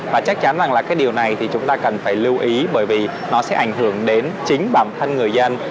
và chắc chắn rằng là cái điều này thì chúng ta cần phải lưu ý bởi vì nó sẽ ảnh hưởng đến chính bản thân người dân